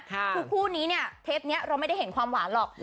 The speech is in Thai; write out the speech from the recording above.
คือคู่นี้เนี่ยเทปนี้เราไม่ได้เห็นความหวานหรอก